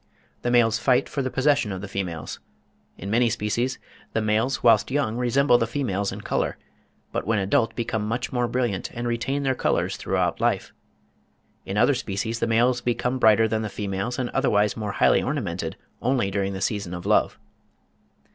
The males fight for the possession of the females. In many species, the males whilst young resemble the females in colour; but when adult become much more brilliant, and retain their colours throughout life. In other species the males become brighter than the females and otherwise more highly ornamented, only during the season of love.